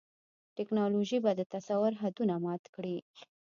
ټیکنالوژي به د تصور حدونه مات کړي.